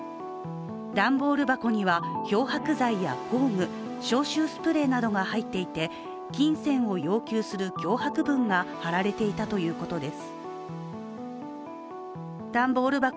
段ボール箱には、漂白剤や工具消臭スプレーなどが入っていて、金銭を要求する脅迫文が貼られていたということです。